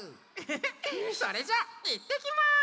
それじゃいってきます！